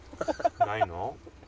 ないの？